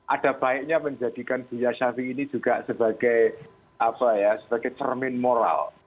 ada baiknya menjadikan buya syafi'i ini juga sebagai cermin moral